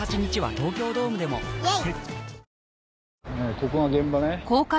ここが現場ね？